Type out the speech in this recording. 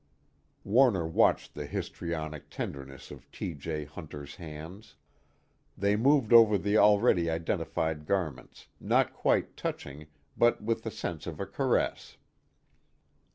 Warner watched the histrionic tenderness of T. J. Hunter's hands. They moved over the already identified garments, not quite touching but with the sense of a caress.